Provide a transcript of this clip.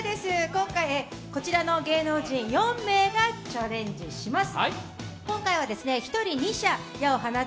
今回、こちらの芸能人４名がチャレンジします。